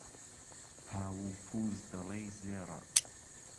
پاو و پووز، دەڵێی زێڕە